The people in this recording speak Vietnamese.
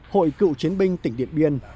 hội cựu chiến binh tỉnh điện biên